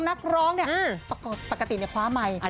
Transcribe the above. นักร้องปกติในความใหม่